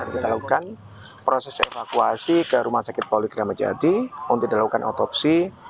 kita lakukan proses evakuasi ke rumah sakit polik ramadjati untuk dilakukan otopsi